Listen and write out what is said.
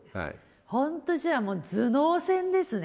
本当じゃあ頭脳戦ですね。